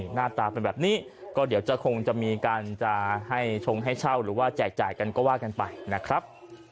หน้าตาเป็นแบบนี้ก็เดี๋ยวจะคงจะมีการจะให้ชงให้เช่าหรือว่าแจกจ่ายกันก็ว่ากันไปนะครับ